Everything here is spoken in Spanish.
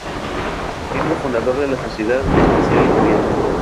Miembro fundador de la Sociedad Espacial Italiana.